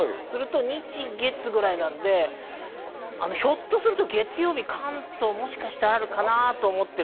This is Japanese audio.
日、月ぐらいなので、ひょっとすると月曜日、関東、もしかするとあるかな？と思って